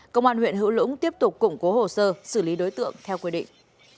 công an huyện hữu lũng tiếp tục củng cố hồ sơ xử lý đối tượng theo quy định